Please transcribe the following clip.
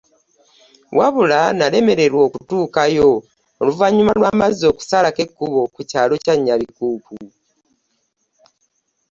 Wabula n'alemererwa okutuukayo oluvannyuma lw'amazzi okusalako ekkubo ku kyalo kya Nyabikuuku.